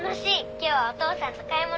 今日はお父さんと買い物行った。